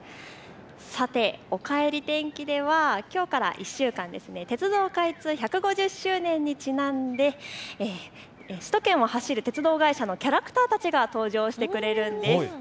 さて、おかえり天気ではきょうから１週間、鉄道開通１５０周年にちなんで首都圏を走る鉄道会社のキャラクターたちが登場してくれるんです。